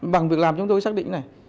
bằng việc làm chúng tôi xác định này